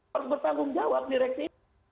harus bertanggung jawab direktur humas